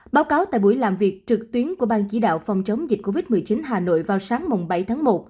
báo cáo tại buổi làm việc trực tuyến của bang chỉ đạo phòng chống dịch covid một mươi chín hà nội vào sáng bảy tháng một